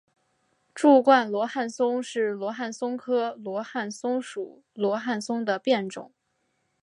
柱冠罗汉松是罗汉松科罗汉松属罗汉松的变种。